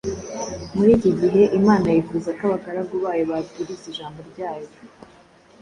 Muri iki gihe, Imana yifuza ko abagaragu bayo babwiriza ijambo ryayo